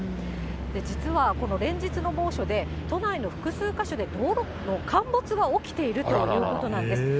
実はこの連日の猛暑で、都内の複数箇所で道路の道路の陥没が起きているんということなんですよ。